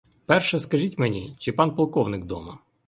Перше скажіть мені, чи пан полковник дома?